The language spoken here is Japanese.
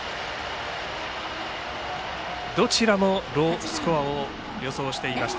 どちらもロースコアを予想していました。